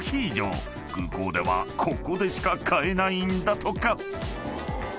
［空港ではここでしか買えないんだとか］